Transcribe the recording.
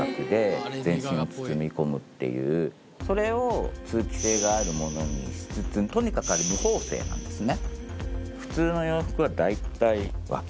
それを通気性があるものにしつつとにかくあれ無縫製なんですね。